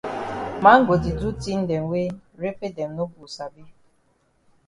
Man go di do tin dem wey repe dem no go sabi.